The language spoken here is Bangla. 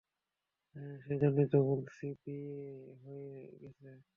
হ্যাঁ, সেজন্যই তো বলছি বিয়ে হয়ে গেছে।